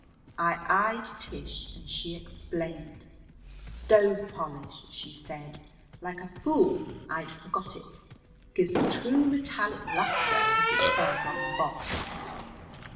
I eyed Tish and she explained. "Stove polish," she said. "Like a fool I'd forgot it. Gives a true metallic luster, as it says on the box."